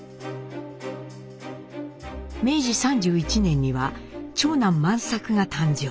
明治３１年には長男万作が誕生。